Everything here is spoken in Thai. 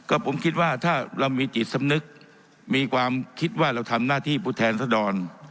ก็ผมคิดว่าถ้าเรามีจิตสำนึกมีความคิดว่าเราทำหน้าที่ผู้แทนสดร